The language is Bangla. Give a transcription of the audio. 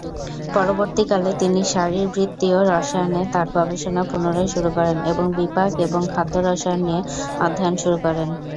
পরবর্তীকালে, তিনি শারীরবৃত্তীয় রসায়নে তার গবেষণা পুনরায় শুরু করেন এবং বিপাক এবং খাদ্য রসায়ন নিয়ে অধ্যয়ন শুরু করেন।